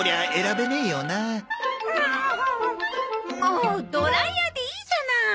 もうドライヤーでいいじゃない！